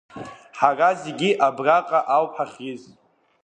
Ҳара зегьы абраҟа ауп ҳахьиз!